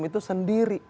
hukum itu sendiri